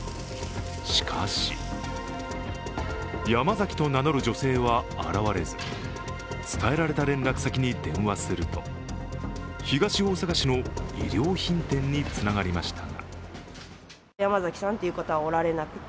しかしヤマザキと名乗る女性は現れず、伝えられた連絡先に電話すると東大阪市の衣料品店につながりました。